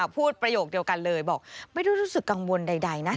ประโยคเดียวกันเลยบอกไม่ได้รู้สึกกังวลใดนะ